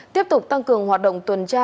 tiếp tục tăng cường hoạt động tuần tra